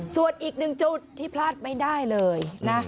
ส่วนอีกหนึ่งจุดที่พลาดไม่ได้เลยนะ